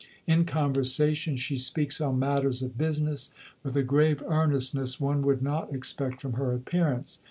In conversation, she speaks on matters of business with a grave earnestness one would not expect from her appearance.